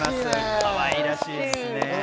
かわいらしいね。